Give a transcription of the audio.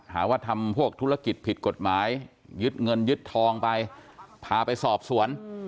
หาว่าทำพวกธุรกิจผิดกฎหมายยึดเงินยึดทองไปพาไปสอบสวน